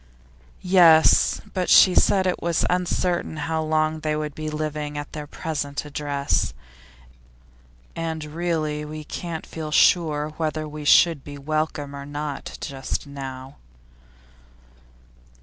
'Yes, but she said it was uncertain how long they would be living at their present address. And really, we can't feel sure whether we should be welcome or not just now.